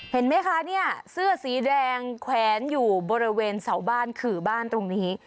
เห็นไหมคะเนี่ยเสื้อสีแดงแขวนอยู่บริเวณเสาบ้านขื่อบ้านตรงนี้